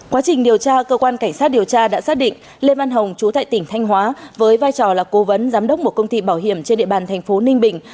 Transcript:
quá trình điều tra cơ quan cảnh sát điều tra đã xác định lê văn hồng chú tại tỉnh thanh hóa với vai trò là cố vấn giám đốc một công ty bảo hiểm trên địa bàn thành phố ninh bình